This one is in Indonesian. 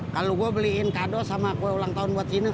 kalau gue beliin kado sama kue ulang tahun buat sini